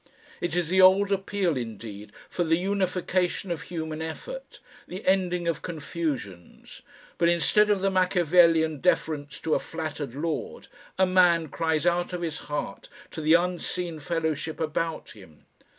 It is the old appeal indeed for the unification of human effort, the ending of confusions, but instead of the Machiavellian deference to a flattered lord, a man cries out of his heart to the unseen fellowship about him.